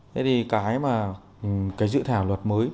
thế thì cái dự thảo luật mới